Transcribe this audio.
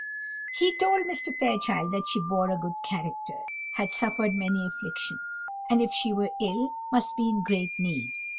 He told Mr. Fairchild that she bore a good character had suffered many afflictions and, if she were ill, must be in great need.